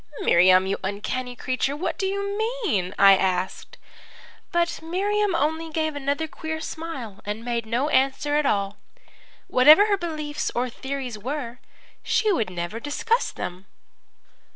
"'Miriam, you uncanny creature, what do you mean?' I asked. "But Miriam only gave another queer smile and made no answer at all. Whatever her beliefs or theories were, she would never discuss them.